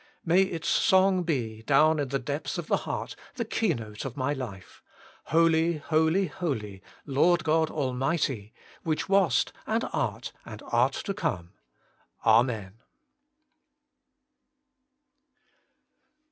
May its song be, down in the depths of the heart, the keynote of my life : HOLY, HOLY, HOLY, Lord God Almighty ! which wast, and art, and art to come. Amen.